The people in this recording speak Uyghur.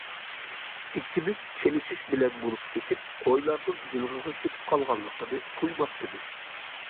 ئىككىمىز چېلىشىش بىلەن بولۇپ كېتىپ، قويلارنىڭ جىلغىغا كېتىپ قالغانلىقىنى تۇيماپتىمىز.